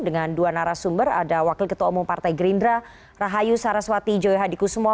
dengan dua narasumber ada wakil ketua umum partai gerindra rahayu saraswati joyo hadi kusumo